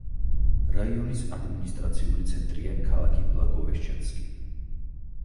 რაიონის ადმინისტრაციული ცენტრია ქალაქი ბლაგოვეშჩენსკი.